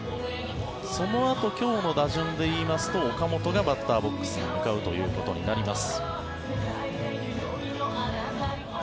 そのあと今日の打順で言いますと岡本がバッターボックスに向かうことになります。